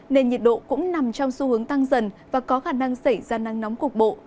nên nhiệt độ cũng nằm trong xu hướng tăng dần và có khả năng xảy ra nắng nóng cục bộ